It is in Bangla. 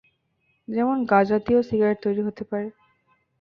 যেমন, গাঁজা দিয়েও সিগারেট তৈরি হতে পারে।